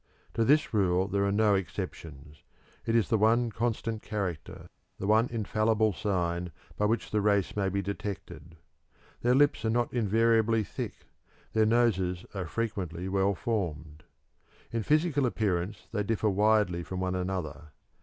To this rule there are no exceptions it is the one constant character, the one infallible sign by which the race may be detected. Their lips are not invariably thick; their noses are frequently well formed. In physical appearance they differ widely from one another.